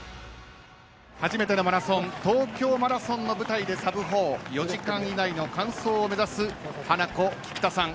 初めてのマラソン東京マラソンの舞台で、サブ４４時間以内の完走を目指すハナコ菊田さん